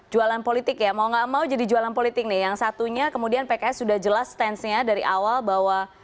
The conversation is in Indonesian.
jualan politik ya mau gak mau jadi jualan politik nih yang satunya kemudian pks sudah jelas stance nya dari awal bahwa